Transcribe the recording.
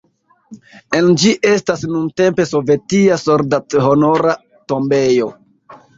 En ĝi estas nuntempe sovetia soldathonora tombejo.